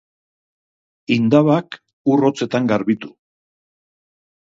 Indabak ur hotzetan garbitu.